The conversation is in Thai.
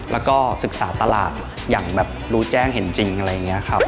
แล้วก็ศึกษาตลาดอย่างแบบรู้แจ้งเห็นจริงอะไรอย่างนี้ครับ